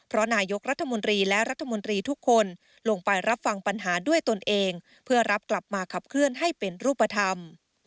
รับฟังปัญหาด้วยตนเองเพื่อรับกลับมาขับเคลื่อนให้เป็นรูปธรรม